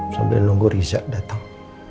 sambil nunggu riza datang